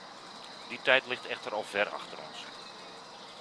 Die tijd ligt echter al ver achter ons.